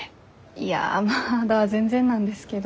いやまだ全然なんですけど。